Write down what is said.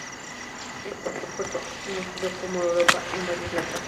Este modelo fue conocido como Europa en varios mercados.